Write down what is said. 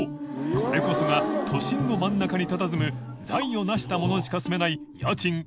これこそが都心の真ん中にたたずむ發なした者にしか住めない板贈隠娃伊